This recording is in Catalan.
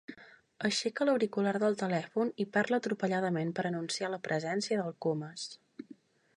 Aixeca l'auricular del telèfon i parla atropelladament per anunciar la presència del Comas.